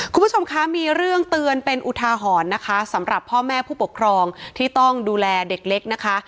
คุณผู้ชมคะมีเรื่องเตือนเป็นอุทาหรณ์นะคะสำหรับพ่อแม่ผู้ปกครองที่ต้องดูแลเด็กเล็กนะคะ